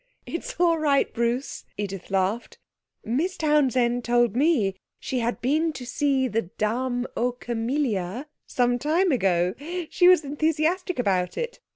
'It's all right, Bruce,' Edith laughed. 'Miss Townsend told me she had been to see the Dame aux Camélias some time ago. She was enthusiastic about it.